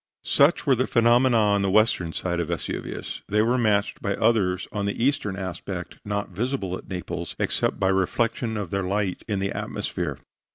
Such were the phenomena on the western side of Vesuvius. They were matched by others on the eastern aspect, not visible at Naples, except by reflection of their light in the atmosphere.